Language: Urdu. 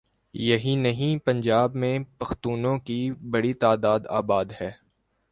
یہی نہیں پنجاب میں پختونوں کی بڑی تعداد آباد ہے۔